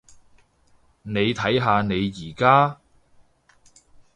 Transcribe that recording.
你睇下你而家？